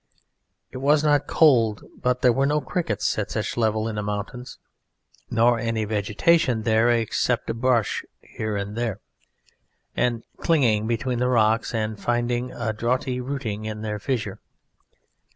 It was not cold, but there were no crickets at such a level in the mountains, nor any vegetation there except a brush here and there clinging between the rocks and finding a droughty rooting in their fissures.